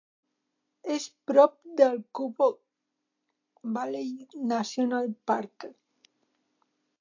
És prop del Kobuk Valley National Park.